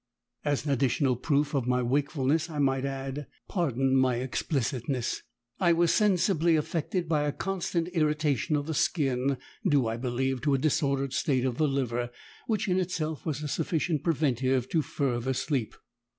As an additional proof of my wakefulness, I might add (pardon my explicitness) I was sensibly affected by a constant irritation of the skin, due, I believe, to a disordered state of the liver, which in itself was a sufficient preventive to further sleep.